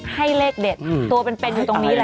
ให้เลขเด็ดตัวเป็นอยู่ตรงนี้เลย